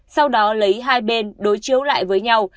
sau đó lấy hai bên đối chiếu lại với nhau